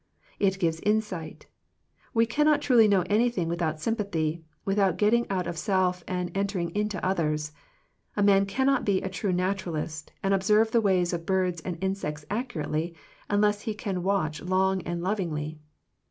It gives insight We cannot truly know anything without sympathy, without getting out of self and entering into others. A man cannot be a true naturalist, and observe the ways of birds and insects accurately, unless he can watch long and lovingly.